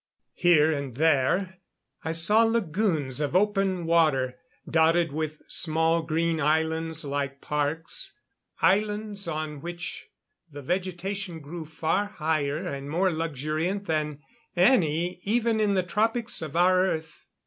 Here and there I saw lagoons of open water, dotted with small green islands like parks islands on which the vegetation grew far higher and more luxuriant than any even in the tropics of our Earth.